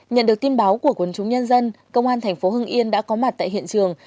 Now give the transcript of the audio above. nhận được tin báo của quân chúng nhân dân công an thành phố hưng yên đã có mặt tại hiện trường